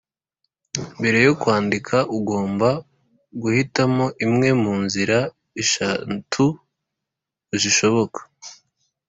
Mbere yo kwandika ugomba guhitamo imwe mu nzira eshatu zishoboka: